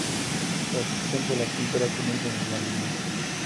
Su afición por la pintura comienza en la niñez.